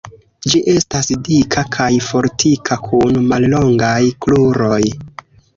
Ĝi estas dika kaj fortika kun mallongaj kruroj.